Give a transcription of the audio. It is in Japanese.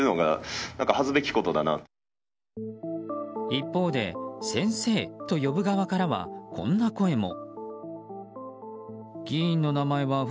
一方で、先生と呼ぶ側からはこんな声も。